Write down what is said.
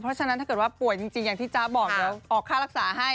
เพราะฉะนั้นถ้าเกิดว่าป่วยจริงอย่างที่จ๊ะบอกเดี๋ยวออกค่ารักษาให้